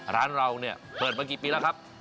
ร้านเราเนี่ยเปิดมากี่ปีแล้วครับ